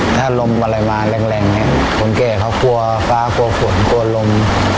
ถ้าลมอะไรมาแรงเนี่ยคนแก่เขากลัวฟ้ากลัวฝนกลัวลม